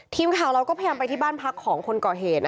ทีมข่าวเราก็พยายามไปที่บ้านพักของคนก่อเหตุ